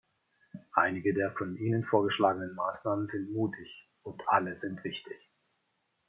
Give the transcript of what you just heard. Einige der von Ihnen vorgeschlagenen Maßnahmen sind mutig, und alle sind wichtig.